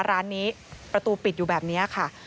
ร้านนี้ประตูปิดอยู่แบบนี้ค่ะ